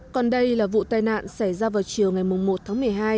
còn đây là vụ tai nạn xảy ra vào chiều ngày một tháng một mươi hai